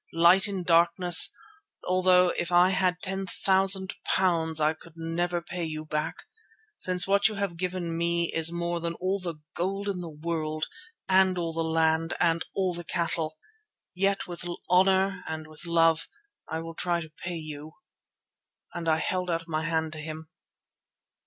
Light in Darkness, although if I had ten thousand pounds I could never pay you back—since what you have given me is more than all the gold in the world and all the land and all the cattle—yet with honour and with love I will try to pay you," and I held out my hand to him.